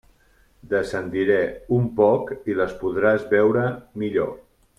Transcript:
Descendiré un poc i les podràs veure millor.